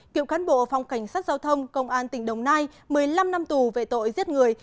cựu cán bộ phòng cảnh sát giao thông công an tỉnh đồng nai một mươi năm năm tù về tội giết người